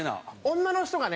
女の人がね